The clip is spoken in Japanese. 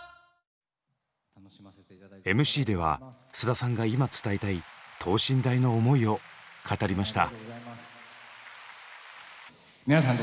ＭＣでは菅田さんが今伝えたい等身大の思いを語りました。